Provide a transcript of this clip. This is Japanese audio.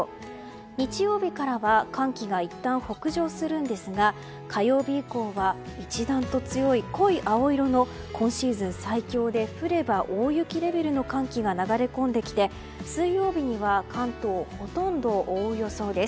日曜日からは寒気がいったん北上するんですが火曜日以降は一段と強い濃い青色の今シーズン最強で降れば大雪レベルの寒気が流れ込んできて水曜日には関東をほとんど覆う予想です。